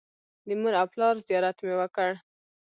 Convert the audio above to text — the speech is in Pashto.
د مور او پلار زیارت مې وکړ.